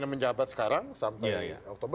menjabat sekarang sampai oktober